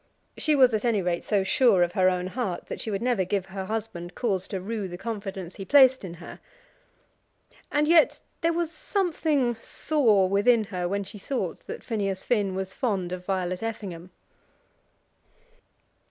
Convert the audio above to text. She was at any rate so sure of her own heart that she would never give her husband cause to rue the confidence he placed in her. And yet there was something sore within her when she thought that Phineas Finn was fond of Violet Effingham.